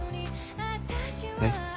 えっ？